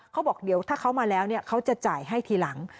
เขาบอกเดี๋ยวถ้าเขามาแล้วเขาจะจ่ายให้ทีหลัง